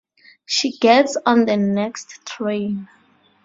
She gets on the next train.